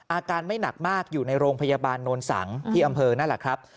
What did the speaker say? อาการไม่หนักมากอยู่ในโรงพยาบาลโนนสังที่อำเภอนั่นแหละครับ